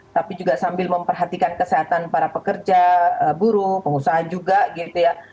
tapi juga sambil memperhatikan kesehatan para pekerja buruh pengusaha juga gitu ya